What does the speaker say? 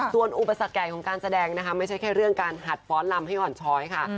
ส่วนอุปสรรคใหญ่ของการแสดงนะคะไม่ใช่แค่เรื่องการหัดฟ้อนลำให้อ่อนช้อยค่ะ